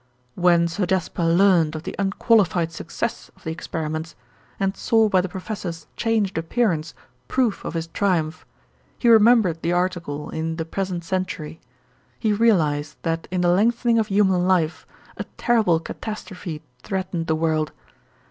"When Sir Jasper learned of the unqualified success of the experiments, and saw by the professor's changed appearance proof of his triumph, he remembered the article in The Present Century. He realised that in the lengthening of human life a terrible catastrophe threatened the world.